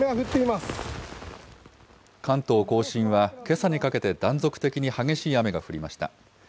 関東甲信はけさにかけて断続的に激しい雨が降りました。